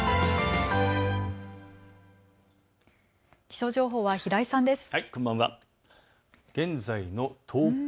気象情報は平井さんです。